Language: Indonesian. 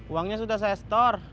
uangnya sudah saya store